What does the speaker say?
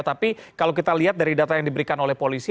tapi kalau kita lihat dari data yang diberikan oleh polisi